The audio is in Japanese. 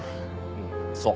うんそう。